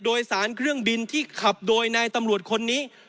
โดยสารเครื่องบินที่ขับโดยนายตำรวจคนนี้